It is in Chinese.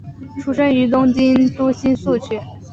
出身于东京都新宿区。